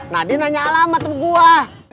nah dia nanya alamat sama gua